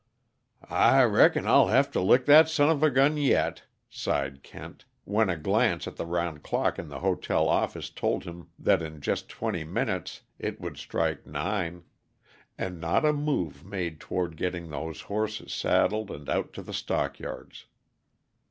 "I reckon I'll have to lick that son of a gun yet," sighed Kent, when a glance at the round clock in the hotel office told him that in just twenty minutes it would strike nine; and not a move made toward getting those horses saddled and out to the stockyards.